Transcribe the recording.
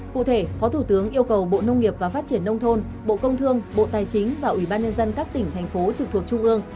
cụ thể phó thủ tướng yêu cầu bộ nông nghiệp và phát triển nông thôn bộ công thương bộ tài chính và ủy ban nhân dân các tỉnh thành phố trực thuộc trung ương